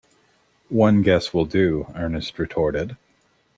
One guess will do, Ernest retorted.